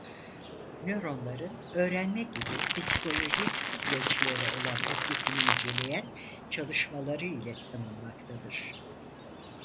Nöronların "öğrenme" gibi psikolojik süreçlere olan etkisini inceleyen çalışmaları ile tanınmaktadır.